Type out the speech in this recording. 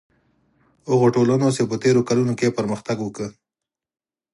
هغو ټولنو چې په تېرو کلونو کې پرمختګ وکړ.